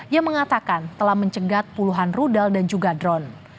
yang mengatakan telah mencegat puluhan rudal dan juga drone